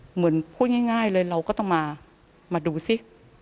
เหมือนพูดง่ายเลยเราก็ต้องมาดูสิ